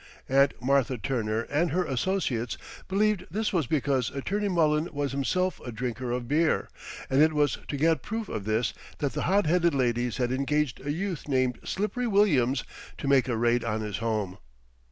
Aunt Martha Turner and her associates believed this was because Attorney Mullen was himself a drinker of beer, and it was to get proof of this that the hot headed ladies had engaged a youth named Slippery Williams to make a raid on his home.